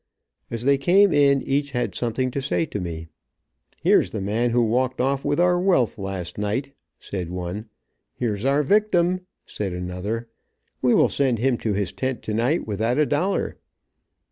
As they came in each had something to say to me. "Here's the man who walked off with our wealth last night," said one. "Here's our victim," said another. "We will send him to his tent tonight without a dollar."